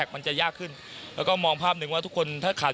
มันจะยากขึ้นแล้วก็มองภาพหนึ่งว่าทุกคนถ้าขาด